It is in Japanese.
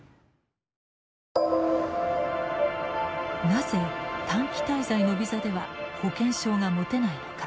なぜ短期滞在のビザでは保険証が持てないのか。